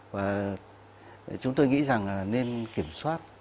và chúng tôi nghĩ rằng là nên kiểm soát